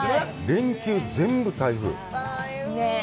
連休、全部台風。